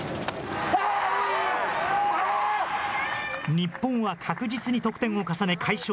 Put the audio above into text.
日本は確実に得点を重ね快勝。